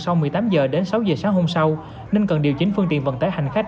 sau một mươi tám h đến sáu h sáng hôm sau nên cần điều chỉnh phương tiện vận tải hành khách